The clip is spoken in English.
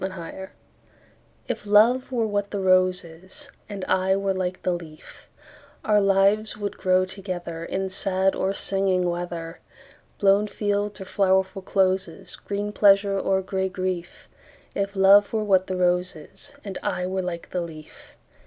A Match IF love were what the rose is, And I were like the leaf, Our lives would grow togetherIn sad or singing weather, Blown fields or flowerful closes, Green pleasure or gray grief; If love were what the rose is, And I were like the leaf.